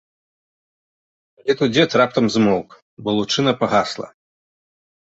Але тут дзед раптам змоўк, бо лучына пагасла.